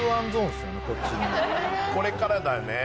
これからだよね。